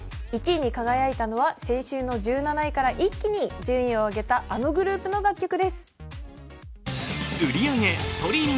１位に輝いたのは先週の１７位から一気に順位を上げたあのグループの楽曲です。